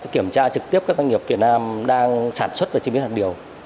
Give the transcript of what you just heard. kiểm tra trực tiếp các doanh nghiệp việt nam đang sản xuất và chiếm biến hạt điều